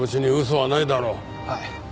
はい。